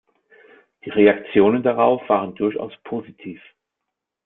Die Reaktionen darauf waren durchaus positiv.